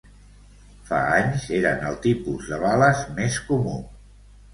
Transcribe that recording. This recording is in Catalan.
Fa anys, eren el tipus de bales més comú.